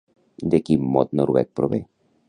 De quin mot noruec prové?